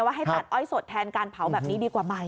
ให้ตัดอ้อยสดแทนการเผาแบบนี้ดีกว่าไหม